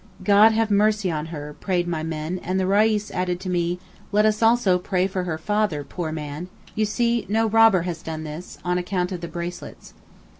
'God have mercy on her,' prayed my men, and the Reis added to me, 'let us also pray for her father, poor man: you see, no robber has done this (on account of the bracelets).